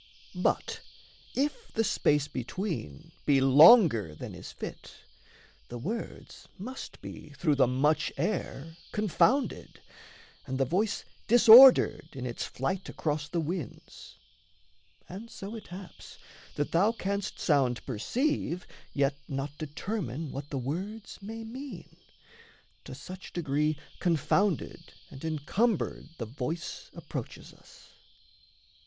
But if the space between Be longer than is fit, the words must be Through the much air confounded, and the voice Disordered in its flight across the winds And so it haps, that thou canst sound perceive, Yet not determine what the words may mean; To such degree confounded and encumbered The voice approaches us.